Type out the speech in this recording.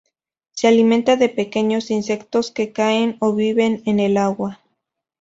Se alimenta de pequeños insectos que caen o viven en el agua.